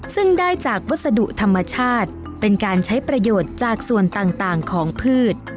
ซึ่งได้จากวัสดุธรรมชาติเป็นการใช้ประโยชน์จากส่วนต่างของพืช